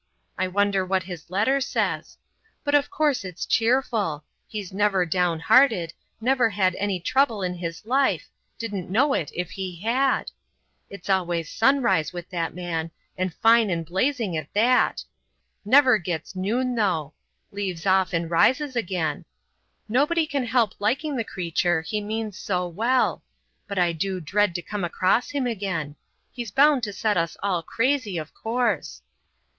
I wonder what his letter says. But of course it's cheerful; he's never down hearted never had any trouble in his life didn't know it if he had. It's always sunrise with that man, and fine and blazing, at that never gets noon, though leaves off and rises again. Nobody can help liking the creature, he means so well but I do dread to come across him again; he's bound to set us all crazy, of course.